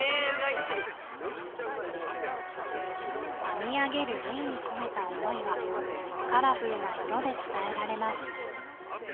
編み上げるレイに込めた思いはカラフルな色で伝えられます